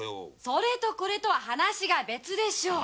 それとこれとは話が別でしょう。